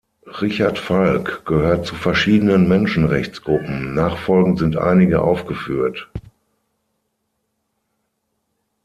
Richard Falk gehört zu verschiedenen Menschenrechtsgruppen, nachfolgend sind einige aufgeführt.